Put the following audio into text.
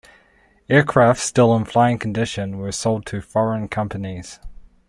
Aircraft still in flying condition were sold to foreign companies.